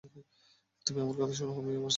তুমি আমার কথা শোন, আমি আমার ছেলে চাই।